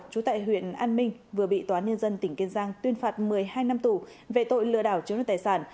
trú tại huyện an minh vừa bị tòa nhân dân tỉnh kiên giang tuyên phạt một mươi hai năm tù về tội lừa đảo chiếm đoạt tài sản